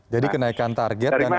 jadi kenaikan target dan olimpiade